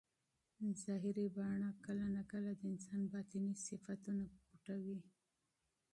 ظاهري بڼه کله ناکله د انسان باطني صفتونه پټوي.